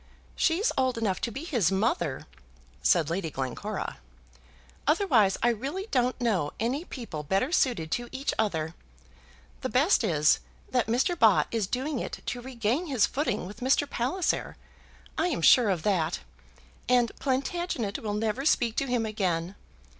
"She's old enough to be his mother," said Lady Glencora, "otherwise I really don't know any people better suited to each other. The best is, that Mr. Bott is doing it to regain his footing with Mr. Palliser! I am sure of that; and Plantagenet will never speak to him again.